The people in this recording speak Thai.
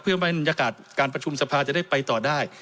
เพื่อไม่บรรยากาศการประชุมสภาจะได้ไปต่อได้